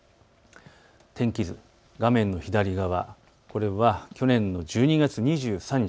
天気図、画面の左側、これは去年の１２月２３日。